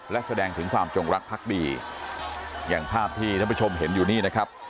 และแสดงถึงความจงรักพักดีอย่างภาพที่ท่านผู้ชมเห็นอยู่นี่นะครับ